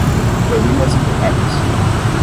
Colinas intocadas